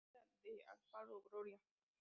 Guardia de Alfaro, Gloria.